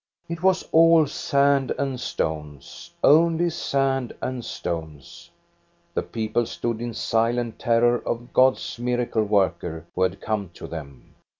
It was all sand and stones, only sand and stones. The people stood in silent terror of God's miracle worker who had come to them.